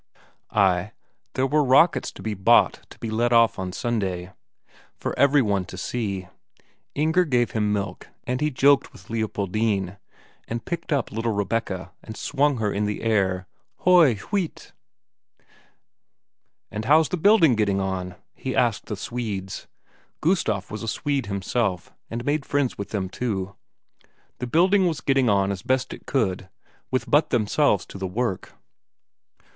Ay, there were rockets he had bought to let off on Sunday, for every one to see. Inger gave him milk, and he joked with Leopoldine, and picked up little Rebecca and swung her up in the air "Hoy huit!" "And how's the building getting on?" he asked the Swedes Gustaf was a Swede himself, and made friends with them too. The building was getting on as best it could, with but themselves to the work.